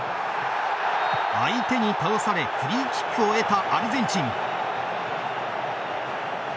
相手に倒されフリーキックを得たアルゼンチン。